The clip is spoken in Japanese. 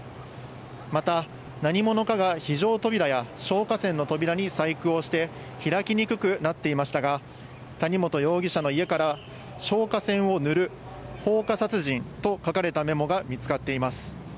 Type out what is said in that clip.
また、何者かが非常扉や消火栓の扉に細工をして、開きにくくなっていましたが、谷本容疑者の家から、消火栓を塗る、放火殺人と書かれたメモが見つかっています。